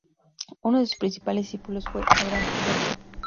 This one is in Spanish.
Uno de sus principales discípulos fue Abraham Janssens.